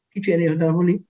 cái chuyện này hoàn toàn vô lý